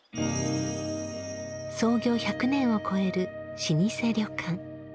創業１００年を超える老舗旅館。